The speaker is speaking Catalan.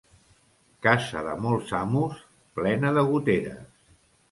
Casa de molts amos, plena de goteres.